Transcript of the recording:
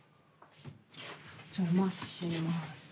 お邪魔します。